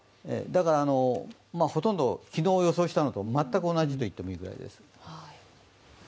だから昨日予想したのと全く同じといっていいぐらいです。